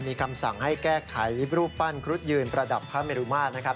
มีคำสั่งให้แก้ไขรูปปั้นครุฑยืนประดับพระเมรุมาตรนะครับ